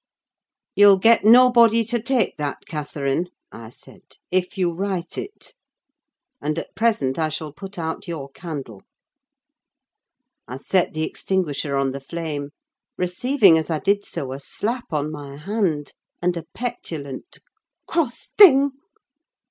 "You'll get nobody to take that, Catherine," I said, "if you write it; and at present I shall put out your candle." I set the extinguisher on the flame, receiving as I did so a slap on my hand and a petulant "cross thing!"